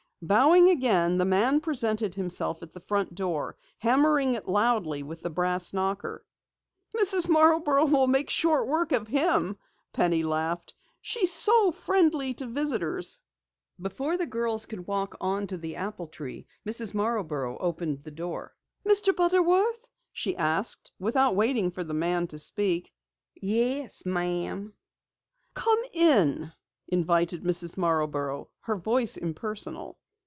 Bowing again, the man presented himself at the front door, hammering it loudly with the brass knocker. "Mrs. Marborough will make short work of him," Penny laughed. "She's so friendly to visitors!" Before the girls could walk on to the apple tree, Mrs. Marborough opened the door. "Mr. Butterworth?" she asked, without waiting for the man to speak. "Yes, ma'am." "Come in," invited Mrs. Marborough, her voice impersonal.